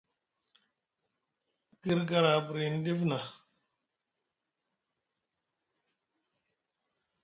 Gir gara burini ɗif na.